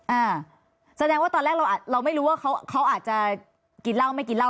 อ่าแสดงว่าตอนแรกเราไม่รู้ว่าเขาเขาอาจจะกินเหล้าไม่กินเหล้า